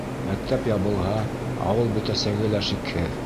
Мәктәп ябылһа, ауыл бөтәсәге лә шикһеҙ.